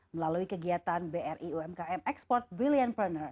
melalui kegiatan bri umkm export brilliantpreneur